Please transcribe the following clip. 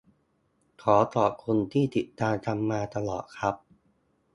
ขอขอบคุณที่ติดตามกันมาตลอดครับ